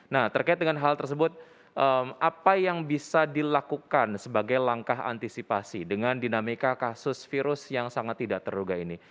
nah terkait dengan hal tersebut apa yang bisa dilakukan sebagai langkah antisipasi dengan dinamika kasus virus yang sangat tidak terduga ini